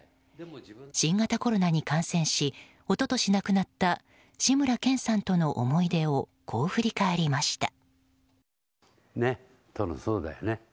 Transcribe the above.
新型コロナに感染し一昨年、亡くなった志村けんさんとの思い出をこう振り返りました。